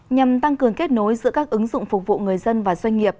nhằm tăng cường kết nối giữa các ứng dụng phục vụ người dân và doanh nghiệp